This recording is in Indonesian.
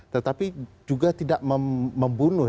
tetapi juga tidak membunuh